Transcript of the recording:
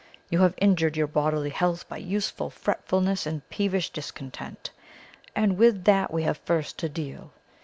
You have injured your bodily health by useless fretfulness and peevish discontent, and with that we have first to deal.